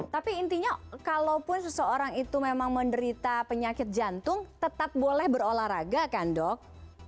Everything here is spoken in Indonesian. tapi intinya kalaupun seseorang itu memang menderita penyakit jantung tetap boleh berolahraga kan dok